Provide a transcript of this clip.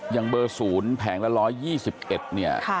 อย่างเบอร์๐แผงละ๑๒๑เนี่ย